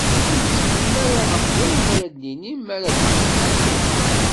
Ur nettxemmim ara ɣef wayen ara d-nini mi ara d-nenṭeq.